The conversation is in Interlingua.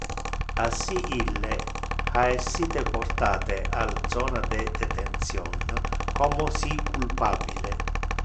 Assi ille ha essite portate al zona de detention, como si culpabile.